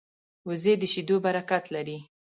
وزې د شیدو برکت لري